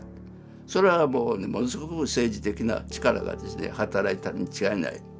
それはものすごく政治的な力がですね働いたに違いない。